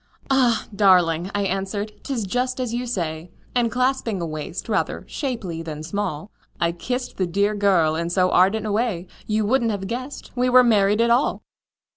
"Ah! darling," I answered, "'tis just as you say;" And clasping a waist rather shapely than small, I kissed the dear girl in so ardent a way You wouldn't have guessed we were married at all!